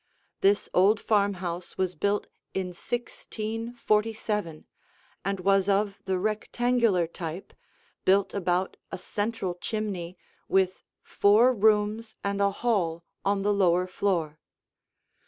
This old farmhouse was built in 1647 and was of the rectangular type, built about a central chimney, with four rooms and a hall on the lower floor.